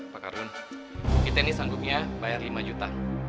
pak karun kita ini sanggupnya bayar lima juta